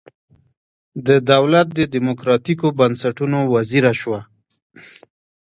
د دولت د دموکراتیکو بنسټونو وزیره شوه.